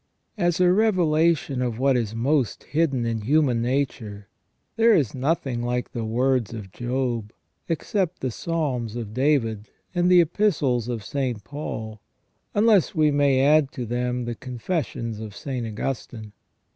As a revelation of what is most hidden in human nature, there is nothing like the words of Job, except the Psalms of David and the Epistles of St. Paul, unless we may add to them the Con fessions of St. Augustine.